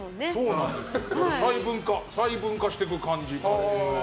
細分化していく感じ。